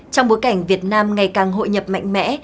trong bối cảnh việt nam ngày càng hội nhập mạnh mẽ